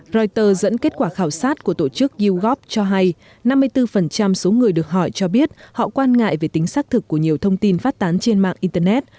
reuters dẫn kết quả khảo sát của tổ chức yougov cho hay năm mươi bốn số người được hỏi cho biết họ quan ngại về tính xác thực của nhiều thông tin phát tán trên mạng internet